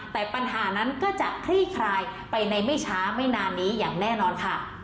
แต่ปัญหานั้นก็จะคลี่คลายไปในไม่ช้าไม่นานนี้อย่างแน่นอนค่ะ